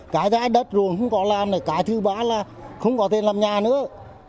cái giá đất ruộng không có làm này cái thứ bá là không có thể làm nhà nữa